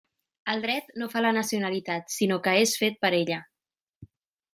El dret no fa la nacionalitat sinó que és fet per ella.